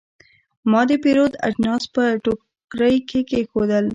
ما د پیرود اجناس په ټوکرۍ کې کېښودل.